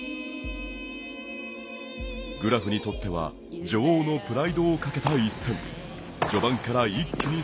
グラフにとっては女王のプライドをかけた１戦。